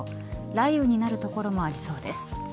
雷雨になる所もありそうです。